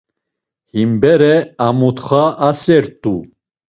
Him bere a mutxa asert̆u.